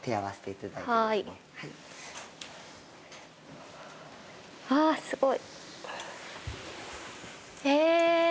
はあすごい。え